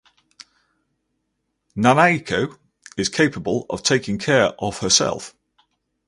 Nanako is capable of taking care of herself.